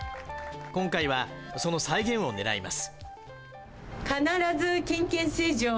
今回はその再現を狙います